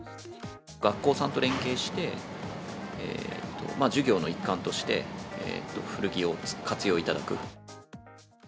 学校さんと連携して、授業の一環として古着を活用いただく。